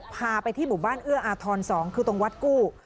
พาไปที่หมู่บ้านเอื้ออาทร๒คือตรงวัดกู้